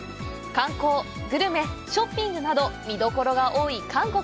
観光、グルメ、ショッピングなど見どころが多い韓国。